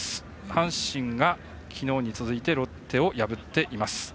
阪神がきのうに続いてロッテを破っています。